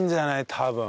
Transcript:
多分。